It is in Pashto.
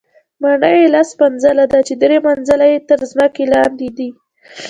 ماڼۍ یې لس منزله ده، چې درې منزله یې تر ځمکې لاندې دي.